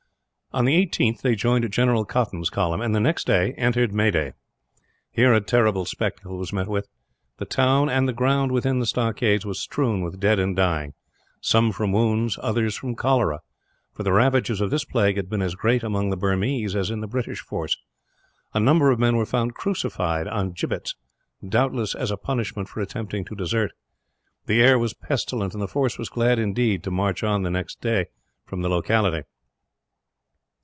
On the 18th they joined General Cotton's column and, the next day, entered Meaday. Here a terrible spectacle was met with. The town and the ground within the stockades was strewn with dead and dying; some from wounds, others from cholera for the ravages of this plague had been as great, among the Burmese, as in the British force. A number of men were found crucified on gibbets, doubtless as a punishment for attempting to desert. The air was pestilent; and the force was glad, indeed, to march on the next morning from the locality.